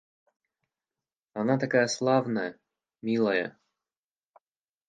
Она такая славная, милая.